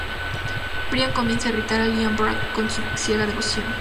Brian comienza a irritar a Limbaugh con su ciega devoción.